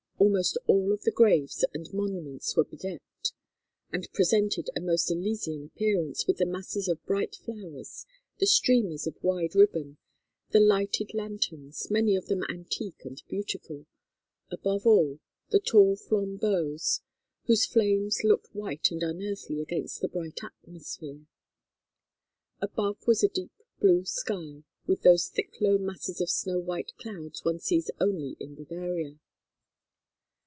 Almost all of the graves and monuments were bedecked, and presented a most Elysian appearance with the masses of bright flowers, the streamers of wide ribbon, the lighted lanterns, many of them antique and beautiful, above all the tall flambeaux, whose flames looked white and unearthly against the bright atmosphere. Above was a deep blue sky with those thick low masses of snow white clouds one sees only in Bavaria.